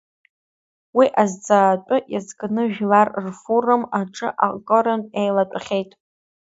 Уи азҵаатәы иазкны жәлар рфорум аҿы акырынтә еилатәахьеит.